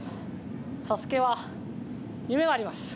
ＳＡＳＵＫＥは夢があります。